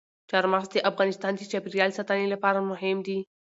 چار مغز د افغانستان د چاپیریال ساتنې لپاره مهم دي.